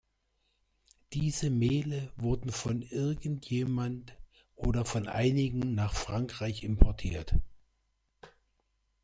Diese Mehle wurden von irgend jemand oder von einigen nach Frankreich importiert!